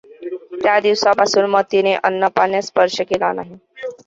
त्या दिवसापासून मथीने अन्नपाण्यास स्पर्श केला नाही.